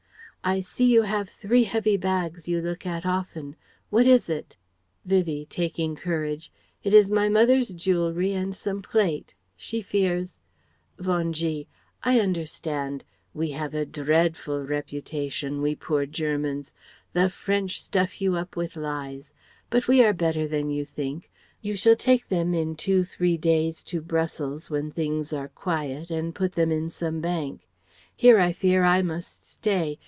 I see you have three heavy bags you look at often. What is it?" Vivie (taking courage): "It is my mother's jewellery and some plate. She fears " Von G.: "I understand! We have a dr r eadful reputation, we poor Germans! The French stuff you up with lies. But we are better than you think. You shall take them in two three days to Brussels when things are quiet, and put them in some bank. Here I fear I must stay.